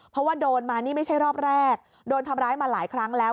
เพราะว่าโดนมานี่ไม่ใช่รอบแรกโดนทำร้ายมาหลายครั้งแล้ว